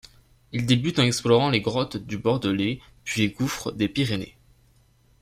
Il débute en explorant les grottes du Bordelais puis les gouffres des Pyrénées.